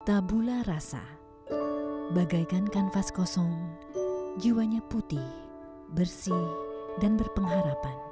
tabula rasa bagaikan kanvas kosong jiwanya putih bersih dan berpengharapan